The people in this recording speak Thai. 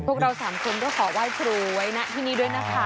พวกเราสามคนก็ขอไหว้ครูไว้ณที่นี่ด้วยนะคะ